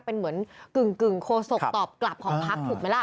เป็นเหมือนกึ่งโคศกตอบกลับของพักถูกไหมล่ะ